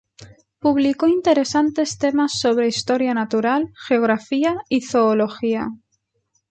Publicó interesantes temas sobre Historia natural, Geografía y Zoología.